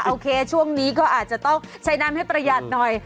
โอเคช่วงนี้ก็อาจจะต้องใช้น้ำให้ประหยัดหน่อย